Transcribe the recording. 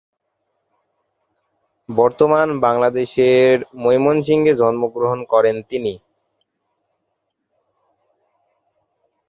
বর্তমান বাংলাদেশের ময়মনসিংহে জন্মগ্রহণ করেন তিনি।